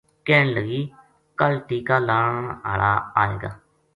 کہن لگی :” کل ٹیکہ لان ہالا آئے گا